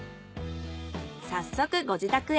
早速ご自宅へ。